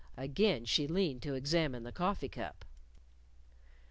Again she leaned to examine the coffee cup.